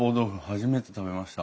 初めて食べました。